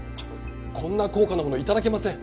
こんな高価なもの頂けません！